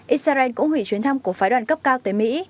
israel cũng hủy chuyến thăm của phái đoàn cấp cao tới mỹ